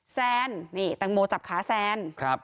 แซนนี่แตงโมจับขาแซน